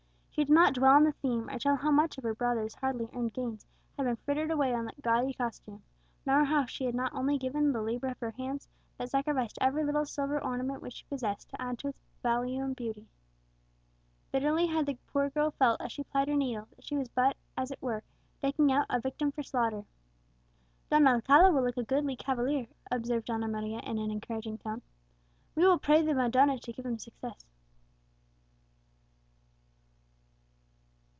She did not dwell on the theme, or tell how much of her brother's hardly earned gains had been frittered away on that gaudy costume; nor how she had not only given the labour of her hands, but sacrificed every little silver ornament which she possessed to add to its value and beauty. Bitterly had the poor girl felt, as she plied her needle, that she was but, as it were, decking out a victim for slaughter. "Don Alcala will look a goodly cavalier," observed Donna Maria in an encouraging tone. "We will pray the Madonna to give him success."